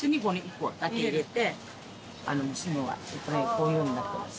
こういうふうになってます。